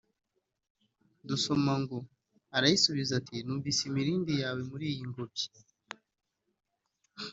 Dusoma ngo “Arayisubiza ati ‘numvise imirindi yawe muri iyi ngobyi